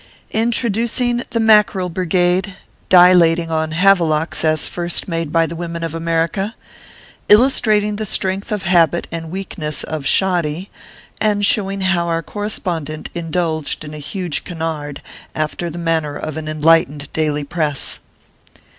INTRODUCING THE MACKEREL BRIGADE, DILATING ON HAVELOCKS AS FIRST MADE BY THE WOMEN OF AMERICA, ILLUSTRATING THE STRENGTH OF HABIT AND WEAKNESS OF "SHODDY," AND SHOWING HOW OUR CORRESPONDENT INDULGED IN A HUGE CANARD, AFTER THE MANNER OF AN ENLIGHTENED DAILY PRESS.